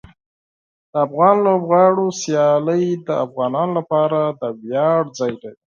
د افغان لوبغاړو سیالۍ د افغانانو لپاره د ویاړ ځای لري.